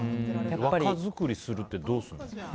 若作りするってどうするの？